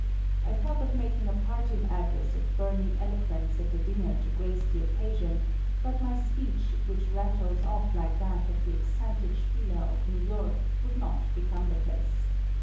I thought of making a parting address of burning eloquence at the dinner to grace the occasion, but my speech which rattles off like that of the excited spieler of New York would not become the place.